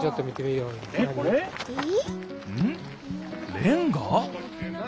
レンガ？